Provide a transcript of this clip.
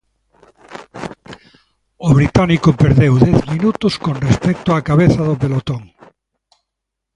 O británico perdeu dez minutos con respecto á cabeza do pelotón.